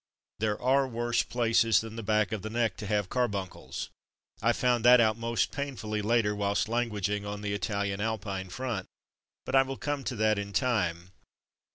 There are worse places than the back of the neck to have car buncles. I found that out most pain fully, later, whilst languishing on the Italian alpine front; but I will come to that in time.